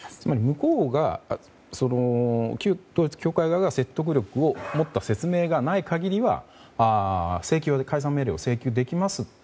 向こうが、旧統一教会側が説得力を持った説明がない限りは解散命令を請求できますと。